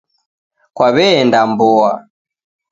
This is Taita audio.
Kwaw'eenda mboa.